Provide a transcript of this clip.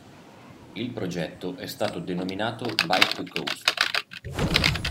Il progetto è stato denominato "Bike To Coast".